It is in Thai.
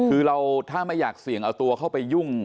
คือเราถ้าไม่อยากเสี่ยงเอาตัวเข้าไปยุ่ง